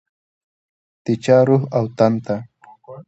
د چا روح او تن ته